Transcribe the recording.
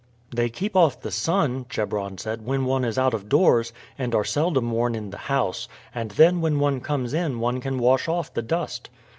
"They keep off the sun," Chebron said, "when one is out of doors, and are seldom worn in the house, and then when one comes in one can wash off the dust."